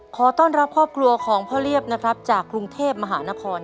ขอต้อนรับครอบครัวของพ่อเรียบนะครับจากกรุงเทพมหานคร